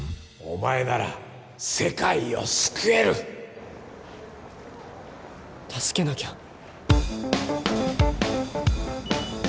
お前なら世界を救える助けなきゃ。